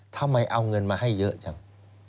ทำไมเอาเงินมาให้เยอะจัง